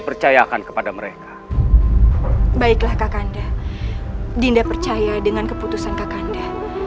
percayakan kepada mereka baiklah kakanda dinda percaya dengan keputusan kakanda